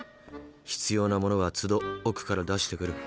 必要なものはつど奥から出してくる。